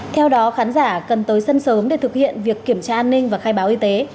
theo đó khán giả cần tới sân sớm để thực hiện việc kiểm tra an ninh và khai báo y tế